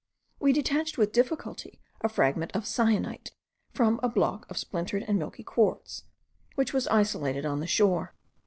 We detached with difficulty a fragment of cyanite from a block of splintered and milky quartz, which was isolated on the shore.